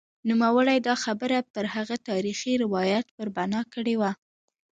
نوموړي دا خبره پر هغه تاریخي روایت پر بنا کړې وه.